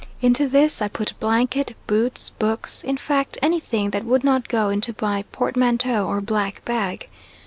Into this I put blankets, boots, books, in fact anything that would not go into my portmanteau or black bag.